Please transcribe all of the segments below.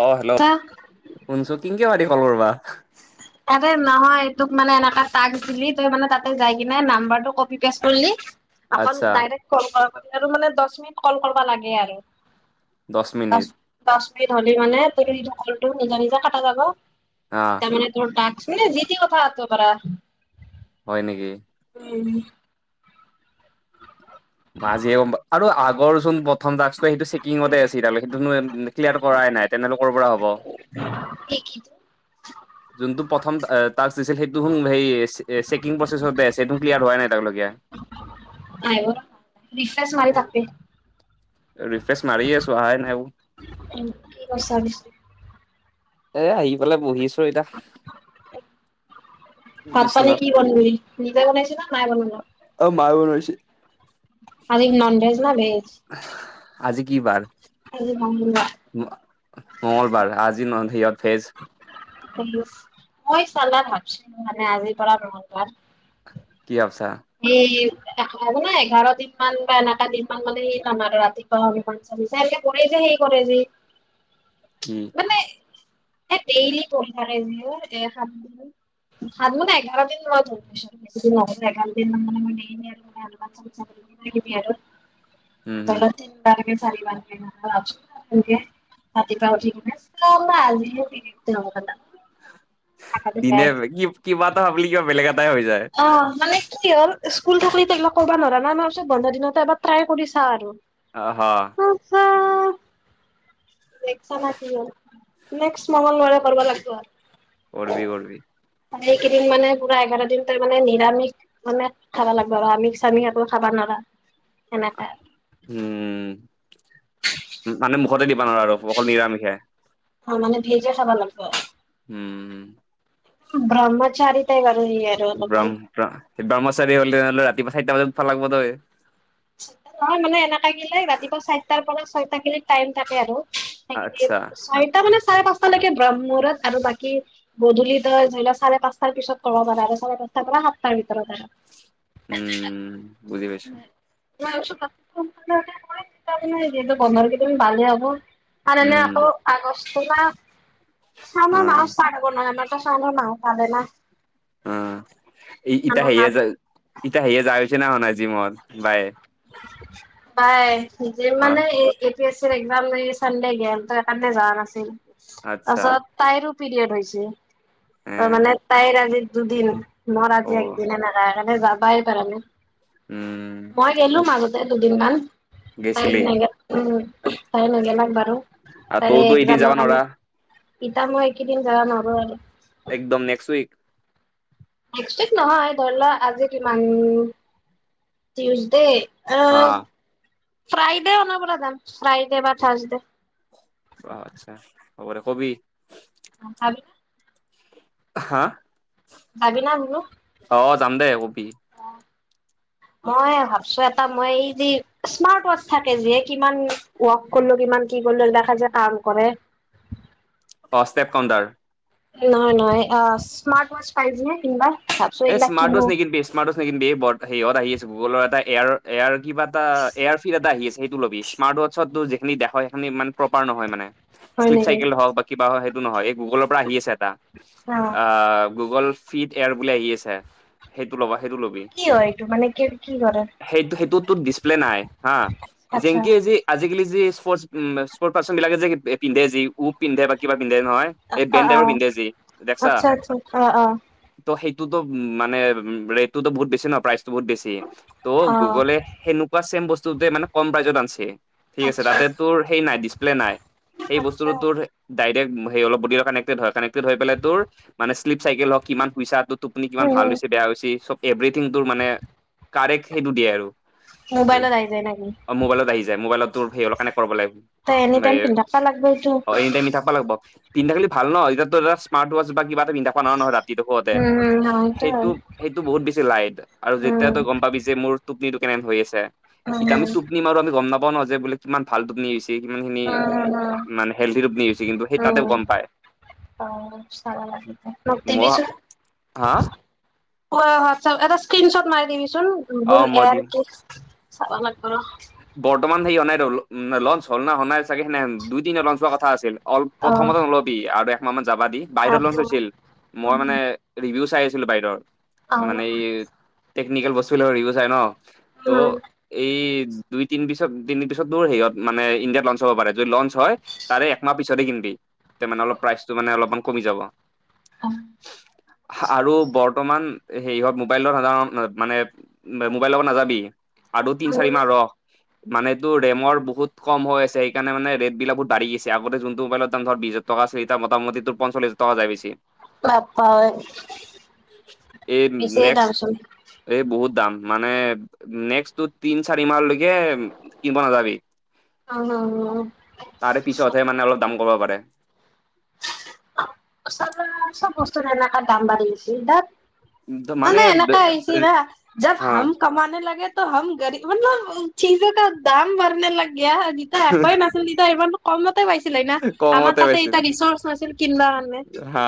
অহ, hello তাতে শুনিছোঁ। কিনকে পাৰি কল কৰবা। [unintelligible] ততে নহয় তোক মানে এনেকাে তাক দিলি, তই মানে তাতে যায় কিনে নাম্বাৰটো কপি পেষ্ট কৰিলি আকল আচ্ছা ডাইৰেক কল কৰবা পাৰি আৰু মানে দহ মিনিট কল কৰিব লাগে আৰু। দহ মিনিট। মিনিট হলি মানে তোৰ তেতিয়া কলটো নিজে-নিজে কটা যাব। হা তাৰমানে মানে তাত এ যিতি কথা পাতবা পাৰা। হয় নেকি? উম। মই আজিহে গম পালোঁ আৰু আগৰ চোন প্ৰথম টাস্কটো সেইটো চেকিংতে আছে সেইটো ক্লিয়াৰ কৰাই কৰাই নাই তেনেলোকৰ পৰা হ'ব। [unintelligible] সেই কিতো যোনটো প্ৰথম টাস্ক দিছিল সেইটো সেই চেকিং প্ৰচেছ আছে, সেইটো ক্লিয়াৰ হোৱাই নাই এতিয়ালৈকে। [unintelligible] এ। ৰিফ্ৰেছ মাৰিয়ে আছো আহা নাই একো। কি কৈছা পিছে? এ আহি পেলাই বহিছোঁ এতিয়া। ভাত পানী বিচনাত কি বনালি, নিজে বনাইছা না মায়ে বনালা? অ মায়ে বনাইছে আজি ন'নভেজ না ভেজ? আজি কি বাৰ। আজি মঙ্গলবাৰ। মঙ্গলবাৰ আজি ন'ন সেয়া ভেজ। ভেজ মই চালা ভাবিছিলোঁ মানে আজিৰ পৰা মঙ্গলবাৰ। কি ভাবছা হে এঘাৰ নাই এঘাৰ দিন মান বা এনেকুৱা দিন মান মানে সেই আমাৰ ৰাতিপুৱা [unintelligible] যে সেই কি কৰে যে। উম। মানে এ ডেইলি কৰি থাকে যি এ খাম বুলি। [unintelligible] নাই এঘাৰ দিন মই [unintelligible] এঘাৰ এনেই মানে এনেই মান আৰু মানে অলমান [unintelligible] উম হম দিবি আৰু। [unintelligible] তিনিবাৰ এই চাৰিবাৰকে নহয় [unintelligible] ৰাতিপুৱা উঠি কিনে চালা আজিহে [unintelligible] পালা। মাথাটো বেয়া দিনে কি, কি এটা ভাবলি কিবা বেলেগ এটা অহ, মানে কি হ'ল স্কুল থাকলি ত' এইবিলাক কৰবা নৰা না, আমাৰ পিছত। বন্ধা দিনতে এবাৰ ট্ৰাই কৰি চা আৰু। অহ', হ। দেখছা না কি হ'ল। নেক্স মঙ্গলবাৰে কৰবা লাগবো আৰু। কৰবি, কৰবি। এই কেইদিন মানে পুৰা এঘাৰ দিন তাৰমানে নিৰামিষ মানে খাবা লাগিব আৰু আমিক চামিক একো খাবা নৰা। এনেকে। উম মানে মুখতে দিবা নোৱাৰো আৰু অকল নিৰামিষে। অ মানে ভেইজে চাব লাগিব। উম ব্ৰহ্মচাৰী টাইপ আৰু ই আৰু ব্ৰ অলপমান ব্ৰহ্মচাৰী হ'লে হ'লে ৰাতিপুৱা চাৰিটা বজাত উঠবা লাগিব তই। নহয় মানে এনেকাগেলে ৰাতিপুৱা চাইটাৰ পৰা ছয়তাকলগি টাইম থাকে আৰু। আচ্ছা চাৰিটা মানে চাৰে পাঁচটা লৈকে ব্ৰহ্মমুহূৰ্ত আৰু বাকী গধূলি ধৰ ধৰি লও চাৰে পাঁচটাৰ পিছত ক'ব পাৰা আৰু চাৰে পাঁচটাৰ পৰা। তাৰ ভিতৰত আৰু। উম বুজি পাইছো। [unintelligible] বন্ধৰ কেইদিন ভালহে হ'ব। আৰ এনে উম আকৌ আগষ্ট অ শাওনৰ মাহ ষ্টাৰ্ট হ'ব [unintelligible] অ ইতা শাওনৰ হেয়ে মাহত য ইতিয়া হেয়ে যাই পাইছে না পোৱা নাই জিমত বায়ে বাই নিজে অ মানে [unintelligible] চানডে গে'ল তাৰকাৰণে যোৱা নাছিল। আচ্ছা তাৰপিছত তাইৰো পৰিড হৈছে, এ তাৰ মানে তাইৰ আজি দুদিন। মোৰ অ আজি একদিন এনেকা সেইকৰণে যাবাই পাৰ নাই। মই উম। গেলো মাজতে দুদিন মান, তাই গেছিলি নেগেল উম। তাই নেগেলাক বাৰু আৰু তইৰ তইতো এদিন যাবা একজামৰ কাৰণে। নোৱাৰা ইতা মই এককেইদিন যোৱা নহ'ব আৰু। একদম নেক্সট উইক। [unintelligible] নহয় ধৰি লোৱা আজি কিমান টিউচডে অ হা ফ্ৰাইডেনা [unintelligible] যাম ফ্ৰাইডে বা থাৰ্চদে অ আচ্ছা হ'ব দে কবি। যাবি হা? [unintelligible] অ যাম দেই কবি। [inaudible] মই ভাবছো এটা মই এই যে স্মাৰ্ট ওৱাচ থাকে যে কিমান ৱৰ্ক কৰিলো কি মান কি কৰিল দেখা যায় কাম কৰে। অ ষ্টেপ কাউণ্টাৰ। নহয় নহয় স্মাৰ্ট ৱাচ পাইছ নে কিনিবা। ভাবছো এই এইবিলাক স্মাৰ্ট কিনো ওৱাচ নিকিনিবি স্মাৰ্ট ওৱাচ নিকিনিবি, বৰ সেহঁত আহি আছে গুগলৰ এটা এয়াৰ এয়াৰ কিবা এটা এয়াৰ ফিড এটা আহি আছে, সেইটো লবি স্মাৰট ওৱাছো যিখিনি দেখা সেইখিনি ইমান প্ৰপাৰ নহয় মানে। হয় শ্লিপ নেকি চাইকেল হওক বা কিবা হওক সেইটো নহয়, এই গুগলৰ পৰা আহি আছে এটা, অ' আহ গুগল ফিট এয়াৰ বুলি আহি আছে সেইটো ল'বা। সেইটো লবি। কি হয় এইটো মানে কি কি কৰে সেইটো সেইটোত টোত ডিস্পলে নাই হা, আচ্ছা জেংকে যে আজিকালি স্পৰ্ট উম স্পৰ্ট পাৰ্চন বিলাকে যে পিন্ধে যি উ পিন্ধে বা কিবা পিন্ধে নহয়। এই বেন অ' টাইপৰ অ' পিন্ধে যি দেখছা? আচ্ছা আচ্ছা অ' অ' ত' সেইটোতো মানে উ ৰেটটো বহুতেছি ন প্ৰাইচ বহুত বেছি। ত' অ' গুগলে সেনেকুৱা চেম বস্তুে মানে কম প্ৰাইজত আনিছে। ঠিক আছে আচ্ছা তাতে তোৰ সেই নাই, ডিচপ্লে নাই সেই আচ্ছা বস্তুটো তোৰ ডাইৰেক সেই অলপ বডিৰ লগত কানেকটে হয়, কানেকটেড হৈ পেলাই তোৰ শ্লপ চাইকেল হওক কিমান শুইছা তোৰ টোপনি কিমান ভাল উম হৈছে, বেয়া হৈছে চব এভ্ৰথিংটোৰ মানে কাৰেক্ট সেইটো দিয়ে আৰু। মোবাইলত আহি যায় নেকি অ মোবাইলত আহি যায় মোবাইলত তোৰ সেইল কানেক্ট কৰিব লাগিব। তই এনি টাইম পিন্ধি থাকবা লাগব এইটো অ এনি টাইমি থাবা লাগিব। পিন্ধা থাকিল ভাল ন, এতিয়াটো এ স্মাৰ্ট ওৱাচ বা কিব এটা পিন্ধা নৰা নহয় ৰাতি তই সুওতে। উম উম হয়তো সেইটো হয় সেইটো বহুত বেছি লাইট আৰু যেতিয়া উম তই গম পাবি যে মোৰ টোপনি কেনে হৈ আছে, উম উম এতিয়া আমি টোপনি মাৰো আমি গম নাপাও ন' যে বোলে কিমান ভাল টোপনি হৈছে। কিমানখিনি মানে হেলদি ৰূপ নি হৈছে কিন্তু সেই উম উম তাতে উম গম পায়। অ' চাহ লাগিছে, মই প্ৰতিবিচু হা? অ' হোৱাটছআপ এটা স্ক্ৰীনশ্বট মাৰি দিবিচোন অ গ মই এয় দিম কি চাব লাগিব ৰ। বৰ্তমান হে অনাই ৰ লঞ্চ হ'ল না, হনাই চাগে সেনে দুই তি লঞ্চ হোৱা কথা আছিল। অল অ প্ৰথমতে নলবি, আৰু একমাহ মান যাবা দি। অ বাহিৰত লঞ্চ হৈছিল মই মানে ৰিভিউ চাই ছিলোঁ বাহিৰত, মানে টেকনিকেল বস্তুবিলাকৰ ৰিভিও চাই ন'। ত' উম এই দুই তিন পিছত তিনি পিছত দূৰ হেৰিয়ত মানে ইণ্ডিয়াত লঞ্চ হ'ব পাৰে, যদি লঞ্চ হয় তাৰে একমাহ পিছতে কিনিবি। তে মানে অলপ প্ৰাইচটো মানে অলপমান কমি যাব। অ'। আৰু বৰ্তমান সেৰিহঁত মোবাইলত সাধাৰণ মানে মোবাইল লব নাযাবি। আৰু তিনি চাৰি মাহ ৰ। মানে এইটো ৰেমৰ বহুত কম আছে সেইকাৰণ মানে ৰেট বিলাকো বা, আগতে যোনটো মোবাইলত দাম ধৰ বিজ টকা আছিল এতিয়া মোটামোটি তোৰ পঞ্চল্লিছ হাজাৰ টকা যাই বেছি। বাপ্পা ঐ এই বেছিয়ে নেক্সট, দামচোন এই বহুত দাম, মানে নেক্সট তিন চাৰি মাহলৈকে কিনিব নাযাবি। উম উম উম তাৰে পিছতহে মানে অলপ দাম কমাব পাৰে। চালা চব বস্তুৰে এনেকা দাম বাঢ়ি গৈছে, দেত। মানে এনেকা হৈছে না যে হা ভাল কামানে লাগে ত' হাম গৰিব মতলব ঠিক জাগাত দাম বঢ়নে লাগ গায়া, দিতাহে একেই মাচুল দিতা হে ইমান কমতে পাইছিলে না, আমাৰ কমতে তাতে পাইছিল এয়া ৰিচৰ্চ নাছিল কিনবা মানে। হা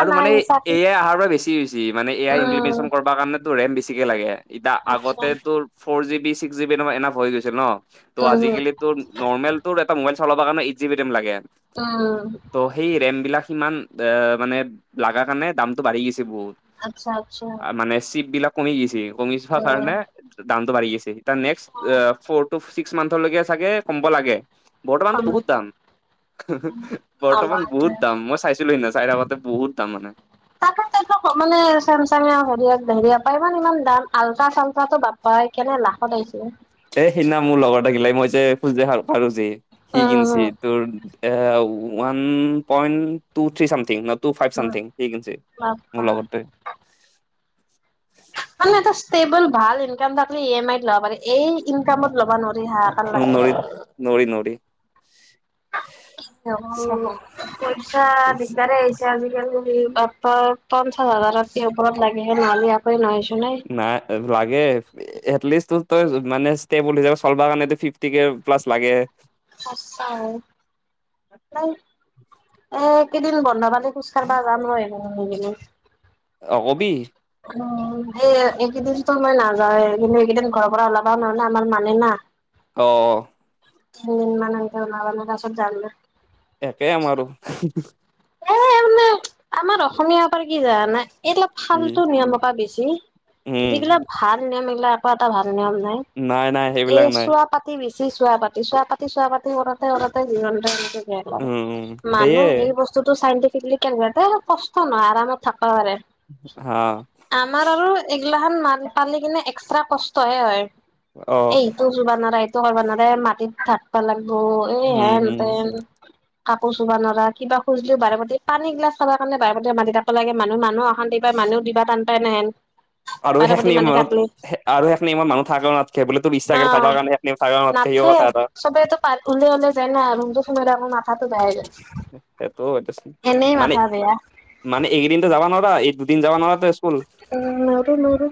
আৰু মানে এ আই আহাৰপৰা বেছি হৈছে, মানে এ আই উম ইমপ্লিমেচন কৰবাৰ কাৰণে টো ৰেম বেছিকে লাগে, এতিয়া আচ্ছা আগতে তো four GB six GB enough হৈ গৈছে ন'। ত' উম আজিকালি তোৰ নৰ্মেল তোৰ এটা মোবাইল চলাব কাৰণে এইট জিবি ৰেম লাগে। উম ত' সেই ৰেমবিলাক সিমান দে, মানে লাগা কাৰণে দামতটো বাঢ়ি গৈছে বহুত। আচ্ছা আচ্ছা। মানে চিপ বিলাক কমি গছে, কমি যোৱাৰ কাৰণে দামটো বাঢি গৈছে তাৰ next four to six six মান্থলৈকে চাগে কমিব লাগে। বৰ্তমানতো উম বহুত দাম, বৰ্তমান বহুত দাম মই চাইছোঁ। লুই না চাই থাকোঁতে বহুত দাম মানে তাকে তাকে ক মানে চেমচাঙে হেৰি পৰাই ইমান ইমান দাম, আল্টাা চাল্টটো বাপাই কেনে লাখত আহিছে। এ, সিদিনা মোৰ লগৰ থাকিলে মই যে খোজ দেই ভাল পাৰো যে সি উম কিনছি উম তোৰ। এ, one point two, three something. টো, ফাইভ উম চামথিং, সি কিনিছে, বাপ্পা মোৰ লগৰটোৱে। মানে এটা ষ্টেবল ভাল ইনকাম থাকিলে ই এম আইত ল'ব পাৰি। এই ইনকামত ল'বা নোৱাৰি, হাহাকাৰ লাগিব। নৰি [inaudible] চা পইচা দিগদাৰে হৈছে আজিকালি। উ, বাপ্পা পঞ্চাছ হাজাৰ ৰাতি ওপৰত লাগে। [unintelligible] নাইছো নাই। এলিষ্ট ত' তই মানে ষ্টেব হিচাপে চলবা কাৰনে ফিফটি কে প্লাছ লাগে। সচ্চাই। একেইদিন বন্ধ পানী খোজ কাঢ়িব যাম নোৱাৰিলোঁ সেইনি অ' কবি? অ' এই এইকেইদিনতো মই নাযাওেই, কিন্তু এইকেইদিন ঘৰৰপৰা ওলাবা নোৱাৰোঁ না, আমাৰ মানে না। অ'। [unintelligible] এ কেই আমাৰোঁ। এ মানে আমাৰ অসমীয়াৰ [unintelligible] এইবিলাক কি ভালতটো নিয়মৰ পৰা বেছি উম যিগিলা ভাল নিয়ম এইিলাক আকৌ এটা ভাল নিয়ম নাই, নাই এই সেইবিলাক নাই চোৱা পাতি বেছি চোৱা পাতি চোৱা পা উম উম সেয়ে চোৱাপাতি [unintelligible] [unintelligible] পাৰে হা আমাৰ আৰু এইগিলাখান ম পালি কিনে এক্স্ৰা কষ্টহে হয় অ এইটো জ ন ত মানতে মাটিত থঢাকিবা লাগিবো এই উম উম হেনতেন। কাকো চব নৰা কিবা খুজিলও ভ পা পানীিলা চাব কাৰণে ভে পাতে মাৰি থাক লাগে মানুহানুহ আহ এইাৰা মুহ দিবা টান পাই নহেন আৰু সেইখিয় ম আৰু সেইখমত মানুহ থাকে নথকে বুলি তো ইচছাাক খাব অ। কাৰণে থাক নথ নাথে চবেইো প ওলোই ওলে যায় না আৰু সটো সময়ত আকৌ মাথাাতটো বেয়াই গায়। সেইটোটো মানে বেয়া মানে এইকেইদিনত যাবা নোৱাৰা এই দুদিন যাবা নোৱাৰা স্কুল উম নৰো নৰো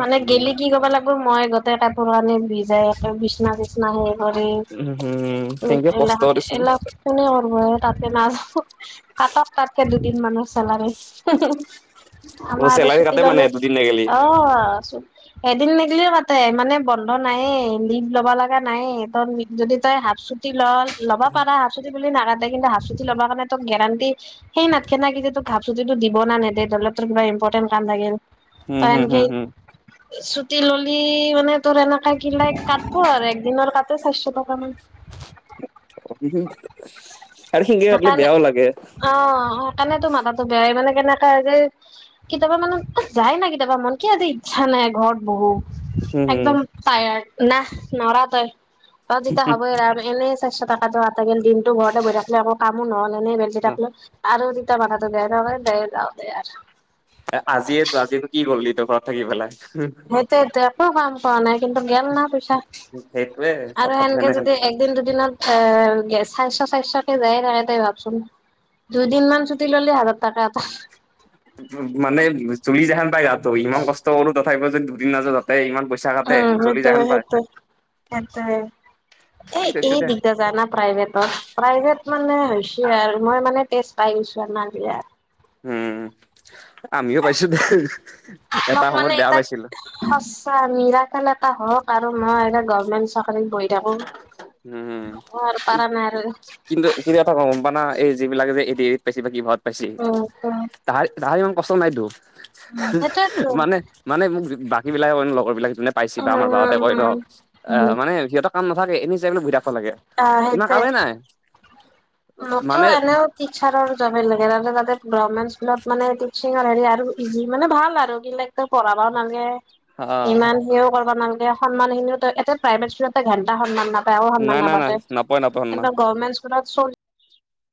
মানে উম গেলি কি কবা লাগিব মই গ তাপণে ভজাই বিচনা নিচনা হেই কৰি উম হম উ সেনকে কষ্ট এইলাখান দেচোন এইলাহ কোনে কৰ তাতে না কাতত তাতকে দুদিন মানুহ। চ আমাৰ চেলাৰী চুতি কাটে মানে বলু দুদিন নেগেলি অ, এদিন নেদিলিও মাতে মানে বন্ধ নায়ে লিভ ল'ব লগা নাই তই যদি তই হাফচুটতি লল লব পাৰা হাচ চুট বুলি নাকানে কিন্তু হাচ চুটি লব কাৰণে তোক গেৰাণ্টি সেই নাথকে [unintelligible] দিব নানেৰি লও তোৰ কিবা ইম্পৰ্টেণ্ট কাম থাকিল। উম, হুম, হম, হম, চুট ললি মানে তোৰ এনেকা কি লাই কাতিব আৰু একদিনৰ কা চাৰিশ টকা মান। [inaudible] আৰু সেনকে কাটলি সইকাৰণে বেয়াও লাগে অ সেইকাৰণে তো মাথাটো বেয়া হত মানে কেনেককাা যে কেতিয়াবা মানে যায় না কেতিয়াবা মন কিয় আজি ইচ্ছা নাই ঘৰত বহো উম হম একদম ায়াৰ না নৰা তই ত যেতিয়া হবই আৰু এনে [inaudible] স্বাস্থ টাতটো আটাই দিনতো ঘৰতে বহ থাকিল আক কো নহ'ল এনে বেলট অ থাকিলো আৰু [inaudible] মাৰটো দিয় ন ন দ যওঁ দেয়াৰ [inaudible] এ আজিয়েতো আজিনো কি কৰিলি তই ঘৰত থাকি পেলাই? সেইটো টো একো কাম পোৱা নাই। কিন্তু গেল না পইছা সেইটোয়ে আৰু কথাটো সেনেকে সেনেহেন যদি একদিন দুদিনত এ গ [inaudible] চাৰশ চাৰিশ কে যায় থাকে তাই ভাবচোন দুইদিন মমান ছুটি ললেি হাজাৰ টকা এটা মানে চুলি যেহন পায় তাতো ইমান কষ্ট কৰো তথাপিও যদি দুদিন নাযাওঁ তাতে ইমান পইচা কাটে উম জ্বলি সেইটো যেহেন পাই সেইটো, সেইটো। এ, পাই থৈছো এই দে দিগ্দাৰ যায় না প্ৰাইভেটত প্ৰাইভেট মানে [inaudible] আৰু মই মানে তেজ পাই গৈছো আমাৰ বিয়াত। উম, আমিও পাইছো দে এটা মোক সময়ত মানে বেয়া এটাক পাইছিলো। সঁচা মিৰা খেল এটা হওক আৰু মই এ, [unintelligible] উম, অ আৰু পাৰা নাই আৰু কিন্তু কিন্তু এটা [unintelligible] এই যিবিলাক যে এি এৰিত পাইছে বা কি ঘৰত পাইছে উম উম তাহাৰ তাহাৰ ইমান কষ্ট নাইতো। উম সেইটোৱেতো মানে মানে মোক বাকী বিলাকে মান লগৰ বিলাকে যোনে পাইছে বা উম আমাৰ বাতে কয় ন অ উম মানে সিহঁতে কাম নাথাকে এনেই জাই পেলাই বহি থাক ব লাগে। ইমান কামেই নাই। মোকো মানে এনেও টিচাৰৰ যাবে লাগে [unintelligible] [unintelligible] গভমেন্ট স্কুলত মানে টিচিংৰ হেৰি আৰু ইজি মানে ভাল আৰু কিলে ত পঢ়াব নালাগে হা ইমান সেয়ও কৰিব নালাগে সন্মান খিনিও এতে প্ৰাইভেট স্কুল ঘেণ্টা সন্মান না [unintelligible] সন্মান নাই নাই নাই নাপায় নাপায় নাপাতেনেকা সন্মান গভমেন্ট স্কুলত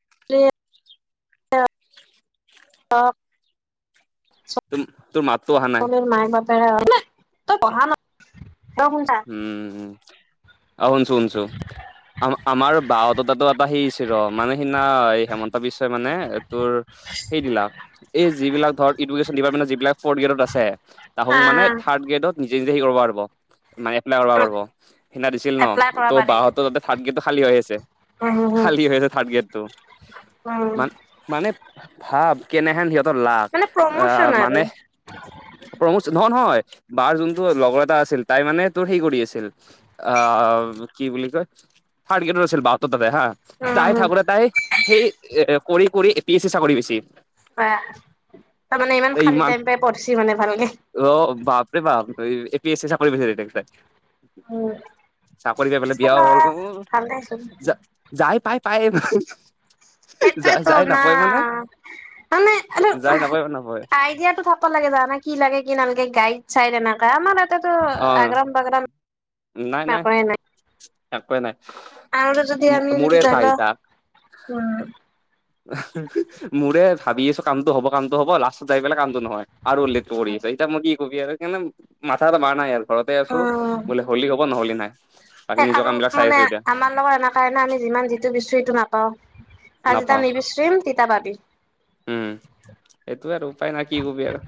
[unintelligible] তম তোৰ মাতো অহা নাই। চলিৰ [unintelligible] তই পঢ়া ন। তই শুনছা উম উম। অহ শুনছো শুনছো। আম আমাৰ বাহ হততাতটো এটা সেইছিল ৰ মানে সিদিনা হেমন্ত বিশ্বই মানে তোৰ সেই দিলাক এই যিবিলাক ধৰ এডুকেশনিপাৰেট এইলাক ফৰ্থ গ্ৰেডত আছে তাহক মানে আহ থাৰ্ড গ্ৰেডত নিজে নিজে সে কৰিব পাৰিব। মানে এপ্লাই কৰিব পাৰব সিদিনা দিছিল ন এপ্লাই কৰা ত' পাৰি বহতো তাতে থাৰ্ট গটো খালী হৈ আছে। উম হম খালী হম হৈ আছে থাৰ্ড গ্ৰেডটো উম মান মানে ভাব। কেনেহেন সিহঁতৰ লাখ মানে আহ প্ৰমোচন আৰু মানে প্ৰমোদ নহয় নহয়। বাৰ যোনটো লগৰ এটা আছিল। তাই মানে তোৰ হে কৰি আছিল অ কি বুলি কয় থাৰ্ড গ্ৰেডৰ আছিল বা হা উম তাই হম থাকোঁতে তাই সেই কৰি কৰি পি এছ চি চাকৰি পাইছিল। অ তাৰমানে ইমান খালী টাইম পাই পঢ়িছি মানে ভালকে। অ বাপৰে বাপ এ পি এছ চি চাকৰি [unintelligible] উম চাকৰি পাই পাই বিয়াও চালা হ'ল অ ভাল দেচোন যাই পাই পায় সেইটোৱেতো যাই না। নাপায় মানে মানে আৰু যাই নাপায় নাপায় আইডিয়াটো থাকিব লাগে জানানা কি লাগে কি নালাগে গাইড। চাইদ এনেকা আমাৰ এটেটো অ আগ্ৰাম বাগ্ৰাম। নাই নাই একোৱেই নাই। আমাৰ যদি আমি মোৰে যদি এটা ধৰি আইতা লয়। মোৰে ভাবি আছো কামটো হব কামটো হব লাষ্ট যাই পেলাই কামটো নহয়। আৰু উল্লেখ কৰি আছে এতিয়া মই কি কবি আৰু কাৰণে মাথা চাথা মাৰা নাই আৰু। ঘৰতে আছো বোলে হলি হ'ব নহলে নাই। বাকী স নিজৰ আৰু কাম বিলাক চাই মানে আছো এতিয়া আমাৰ লগত এনেকুৱা না আমি যিমান যিটো বিচৰো সেইটো নাপাও। আজি নাপাও তাৰ নিবিশ্ৰিম তেটা পাবি। সেইটো আৰু উপায় নাই কি কবি আৰু।